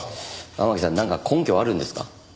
天樹さんなんか根拠あるんですか？